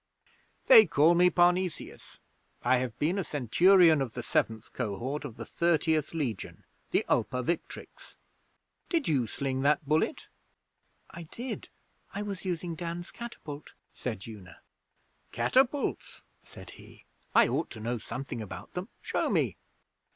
'They call me Parnesius. I have been a Centurion of the Seventh Cohort of the Thirtieth Legion the Ulpia Victrix. Did you sling that bullet?' 'I did. I was using Dan's catapult,' said Una. 'Catapults!' said he. 'I ought to know something about them. Show me!'